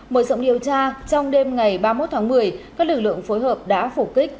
mở rộng điều tra trong đêm ngày ba mươi một tháng một mươi các lực lượng phối hợp đã phủ kích